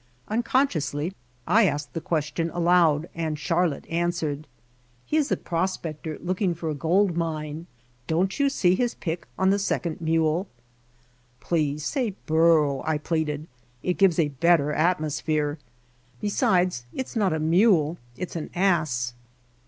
Unconsciously I asked the question aloud and Charlotte answered : "He is a prospector looking for a gold mine. Don't you see his pick on the second mule?" [i6] The Feel of the Outdoors "Please say burro," I pleaded. "It gives a better atmosphere. Besides it is not a mule, it's an ass."